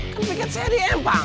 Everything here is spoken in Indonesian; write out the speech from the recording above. kan pikir saya di empang